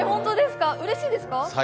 うれしいですか？